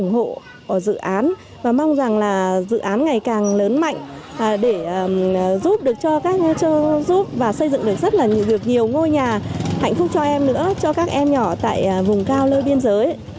hạnh phúc cho em nữa cho các em nhỏ tại vùng cao lơi biên giới